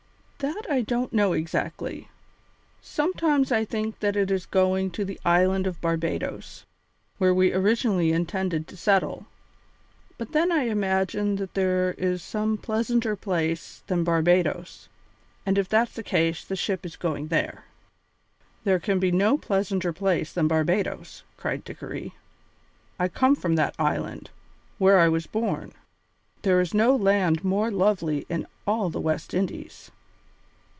"That I don't know exactly. Sometimes I think that it is going to the island of Barbadoes, where we originally intended to settle; but then I imagine that there is some pleasanter place than Barbadoes, and if that's the case the ship is going there." "There can be no pleasanter place than Barbadoes," cried Dickory. "I come from that island, where I was born; there is no land more lovely in all the West Indies."